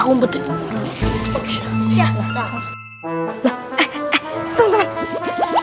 tempat yang banyak kekuatan